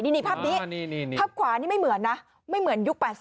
นี่ภาพนี้ภาพขวานี่ไม่เหมือนนะไม่เหมือนยุค๘๐